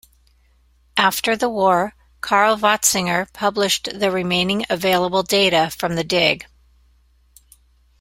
After the war, Carl Watzinger published the remaining available data from the dig.